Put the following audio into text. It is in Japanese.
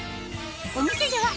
お店では